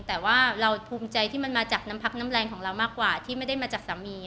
แต่ว่าเราภูมิใจที่มันมาจากน้ำพักน้ำแรงของเรามากกว่าที่ไม่ได้มาจากสามี